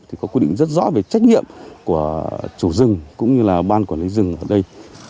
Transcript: thì có quy định rất rõ về trách nhiệm của chủ rừng cũng như là ban quản lý rừng ở đây